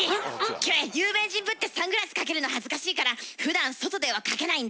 キョエ有名人ぶってサングラスかけるの恥ずかしいからふだん外ではかけないんだ。